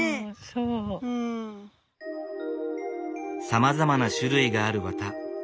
さまざまな種類がある綿。